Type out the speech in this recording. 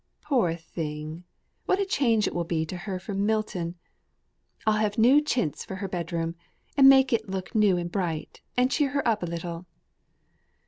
Poor thing! what a change it will be to her from Milton! I'll have new chintz for her bed room, and make it look new and bright, and cheer her up a little."